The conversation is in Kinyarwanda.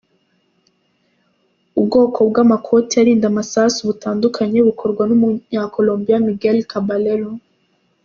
Ubwoko bw’amakoti arinda amasasu butandukanye bukorwa n’umunyacolombiya Miguel Caballero